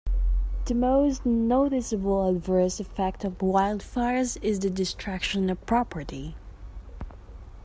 The most noticeable adverse effect of wildfires is the destruction of property.